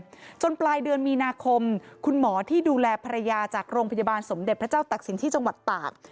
จนปลายเดือนมีนาคมคุณหมอที่ดูแลภรรยาจากโรงพยาบาลสมเด็จพระเจ้าตักศิลป์ที่จังหวัดตาก